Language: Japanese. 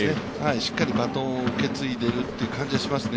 しっかりバトンを受け継いでいるという感じはしますね。